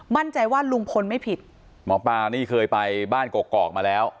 มั่นใจว่าลุงพลไม่ผิดหมอปลานี่เคยไปบ้านกอกมาแล้ว